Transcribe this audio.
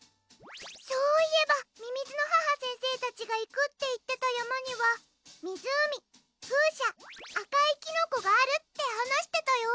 そういえばみみずの母先生たちがいくっていってたやまにはみずうみふうしゃあかいキノコがあるってはなしてたよ。